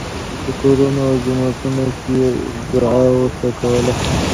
په کورونو او جوماتونو کې یې دعا ورته کوله.